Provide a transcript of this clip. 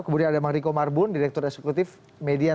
kemudian ada bang riko marbun direktur eksekutif median